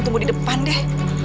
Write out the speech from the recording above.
tunggu di depan deh